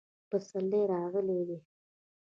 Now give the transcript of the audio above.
پسرلی راغلی دی